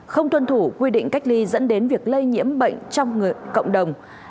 không tuân thủ quy định cách ly dẫn đến việc lây nhiễm bệnh trong cộng đồng